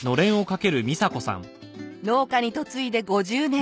農家に嫁いで５０年。